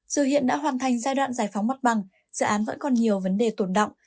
dù hiện đã hoàn thành giai đoạn giải phóng mặt bằng dự án vẫn còn nhiều vấn đề tổn động